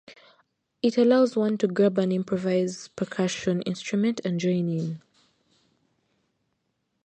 It allows one to grab an improvised percussion instrument and join in.